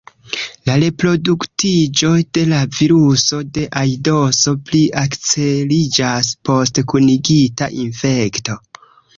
La reproduktiĝo de la viruso de aidoso pli akceliĝas post kunigita infekto.